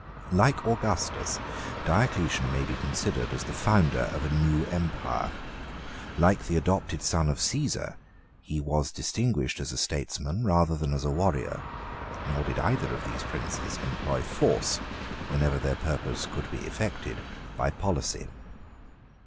Like Augustus, Diocletian may be considered as the founder of a new empire. Like the adopted son of Cæsar, he was distinguished as a statesman rather than as a warrior; nor did either of those princes employ force, whenever their purpose could be effected by policy.